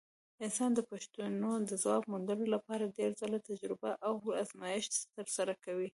انسان د پوښتنو د ځواب موندلو لپاره ډېر ځله تجربه او ازمېښت ترسره کوي.